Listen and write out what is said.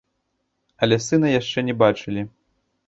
Але сына яшчэ не бачылі.